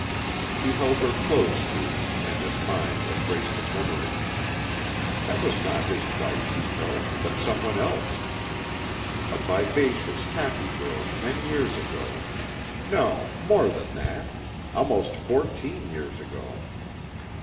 He held her close to him and his mind embraced a memory. This was not his wife he held, but someone else. A vivacious, happy girl ten years ago. No, more than that. Almost fourteen years ago.